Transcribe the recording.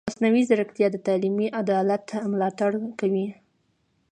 مصنوعي ځیرکتیا د تعلیمي عدالت ملاتړ کوي.